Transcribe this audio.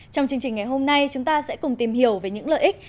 trong chương trình ngày hôm nay chúng ta sẽ cùng tìm hiểu về những lợi ích